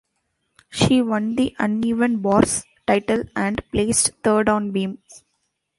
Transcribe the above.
She won the uneven bars title and placed third on beam.